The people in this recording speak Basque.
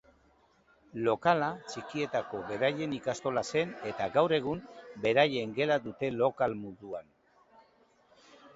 Lokala txikitako beraien ikastola zen eta gaur egun beraien gela dute lokal moduan.